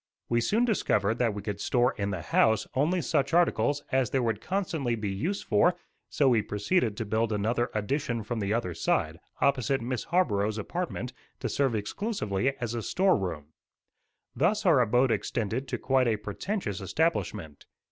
We soon discovered that we could store in the house only such articles as there would constantly be use for, so we proceeded to build another addition from the other side, opposite Miss Harborough's apartment, to serve exclusively as a store room. Thus our abode extended to quite a pretentious establishment.